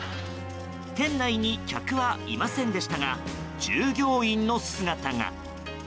店内に客はいませんでしたが従業員の姿が。